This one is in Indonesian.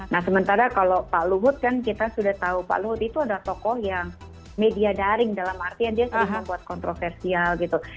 nah sementara kalau pak luhut kan kita sudah tahu pak luhut itu adalah tokoh yang media daring dalam artian dia sering membuat kontroversial gitu